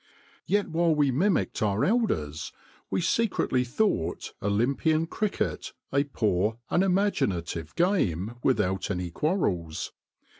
Yet while we mimicked our elders we secretly thought Olympian cricket a poor, unimagina tive game without any quarrels.